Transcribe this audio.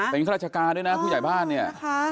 เป็นข้าราชการด้วยนะผู้ใหญ่บ้านเนี่ย